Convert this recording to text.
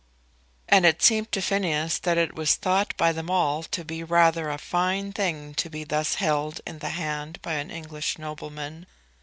And it seemed to Phineas that it was thought by them all to be rather a fine thing to be thus held in the hand by an English nobleman.